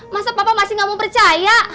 masa papa masih gak mau percaya